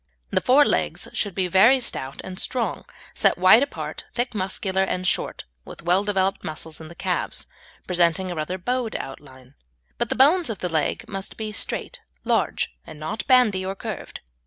The fore legs should be very stout and strong, set wide apart, thick, muscular, and short, with well developed muscles in the calves, presenting a rather bowed outline, but the bones of the legs must be straight, large, and not bandy or curved.